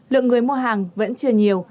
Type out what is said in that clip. lượng người mua hàng vẫn chưa nhiều